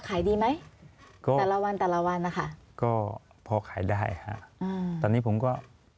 ขายดีไหมก็แต่ละวันแต่ละวันนะคะก็พอขายได้ค่ะอืมตอนนี้ผมก็